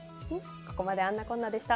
ここまであんなこんなでした。